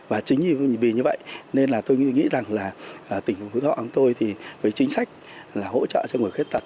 và chính vì như vậy nên là tôi nghĩ rằng là tỉnh phú thọ của tôi thì với chính sách là hỗ trợ cho người khuyết tật